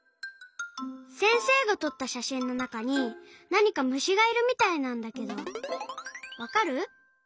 せんせいがとったしゃしんのなかになにかむしがいるみたいなんだけどわかる？